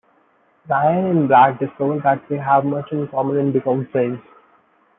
Ryan and Brad discover that they have much in common, and become friends.